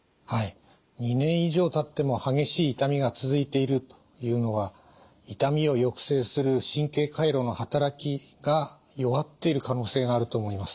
２年以上たっても激しい痛みが続いているというのは痛みを抑制する神経回路の働きが弱っている可能性があると思います。